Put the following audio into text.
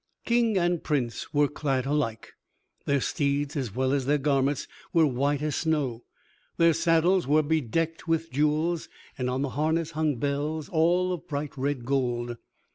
King and Prince were clad alike. Their steeds as well as their garments were white as snow, their saddles were bedecked with jewels, and on the harness hung bells, all of bright red gold.